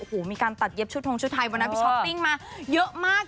โอ้โหมีการตัดเย็บชุดทงชุดไทยวันนั้นพี่ช้อปปิ้งมาเยอะมาก